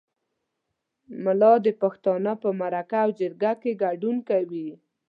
ملا د پښتانه په مرکه او جرګه کې ګډون کوي.